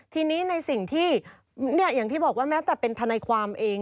ทีนี้ในสิ่งที่อย่างที่บอกว่าแม้แต่เป็นทนายความเอง